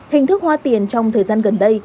hình thức hoa tiền trong thời gian gần đây